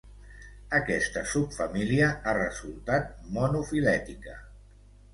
Aquesta subfamília ha resultat monofilètica.